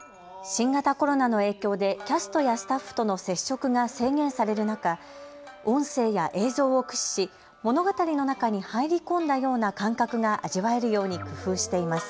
新型コロナの影響でキャストやスタッフとの接触が制限される中、音声や映像を駆使し、物語の中に入り込んだような感覚が味わえるように工夫しています。